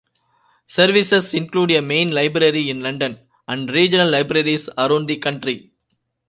Services include a main library in London and regional libraries around the country.